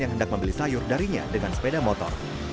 yang hendak membeli sayur darinya dengan sepeda motor